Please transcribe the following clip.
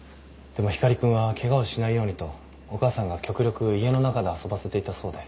でも光君はケガをしないようにとお母さんが極力家の中で遊ばせていたそうで。